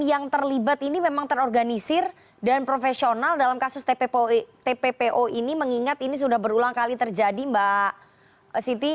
yang terlibat ini memang terorganisir dan profesional dalam kasus tppo ini mengingat ini sudah berulang kali terjadi mbak siti